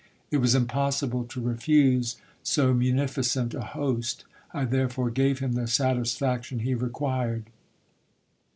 It was im possible to refuse so munificent a host ; I therefore gave him the satisfaction he required.